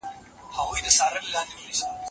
تاسي په نېک نوم یادیږئ.